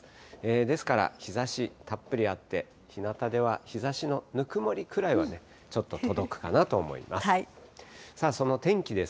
ですから、日ざしたっぷりあって、ひなたでは日ざしのぬくもりくらいはね、ちょっと届くかなと思います。